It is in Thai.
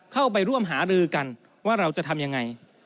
เข้าไปร่วมหารือกันว่าเราจะทำยังไง